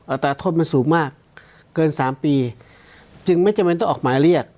ตราโทษมันสูงมากเกินสามปีจึงไม่จำเป็นต้องออกหมายเรียก